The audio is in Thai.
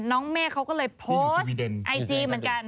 แม่เขาก็เลยโพสต์ไอจีเหมือนกัน